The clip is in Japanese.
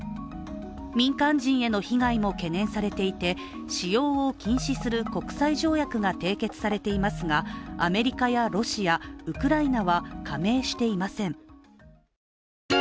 民間人への被害も懸念されていて使用を禁止する国際条約が締結されていますが、アメリカやロシア、ウクライナは加盟していません。